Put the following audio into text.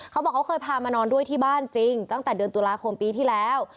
เขาบอกเขาเคยพามานอนด้วยที่บ้านจริงตั้งแต่เดือนตุลาคมปีที่แล้ว